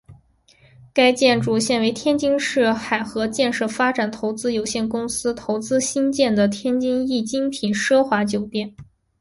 该建筑现为天津市海河建设发展投资有限公司投资兴建的天津易精品奢华酒店。